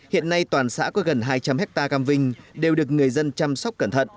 hiện nay toàn xã có gần hai trăm linh hectare cam vinh đều được người dân chăm sóc cẩn thận